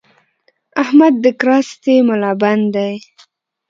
احمد د کراستې ملابند دی؛